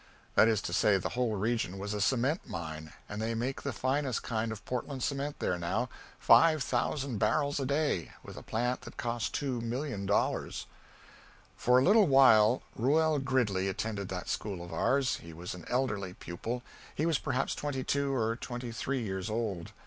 That is to say, the whole region was a cement mine and they make the finest kind of Portland cement there now, five thousand barrels a day, with a plant that cost $2,000,000. For a little while Reuel Gridley attended that school of ours. He was an elderly pupil; he was perhaps twenty two or twenty three years old.